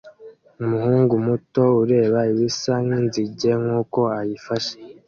umuhungu muto ureba ibisa nkinzige nkuko ayifashe